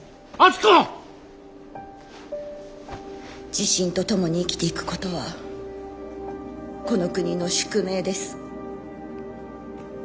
地震とともに生きていくことはこの国の宿命です。